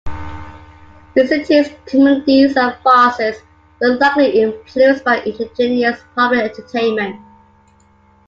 Vicente's comedies and farces were likely influenced by indigenous popular entertainment.